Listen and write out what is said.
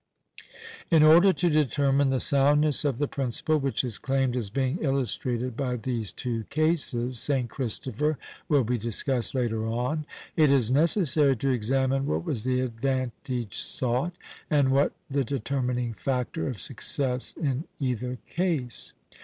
In order to determine the soundness of the principle, which is claimed as being illustrated by these two cases (St. Christopher will be discussed later on), it is necessary to examine what was the advantage sought, and what the determining factor of success in either case.